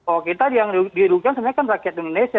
oh kita yang dirugikan sebenarnya kan rakyat indonesia